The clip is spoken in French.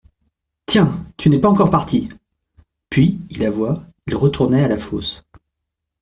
Tiens ! tu n'es pas encore parti ! Puis, il avoua, il retournait à la fosse.